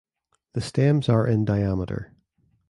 The stems are in diameter.